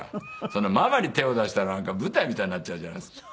そんなママに手を出したらなんか舞台みたいになっちゃうじゃないですか。